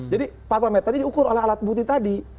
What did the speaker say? jadi parameternya diukur oleh alat bukti tadi